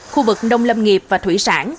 khu vực nông lâm nghiệp và thủy sản